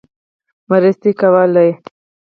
مرستې کولې.